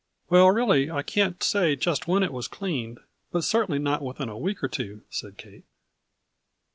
" Well, really, I can't say just when it was cleaned, but certainly not within a week or two,' said Kate.